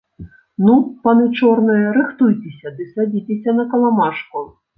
Ну, паны чорныя, рыхтуйцеся ды садзіцеся на каламажку.